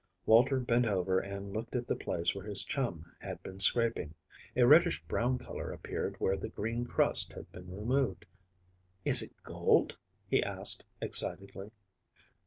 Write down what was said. Walter bent over and looked at the place where his chum had been scraping. A reddish brown color appeared where the green crust had been removed. "Is it gold?" he asked, excitedly.